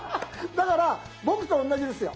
だから僕と同じですよ。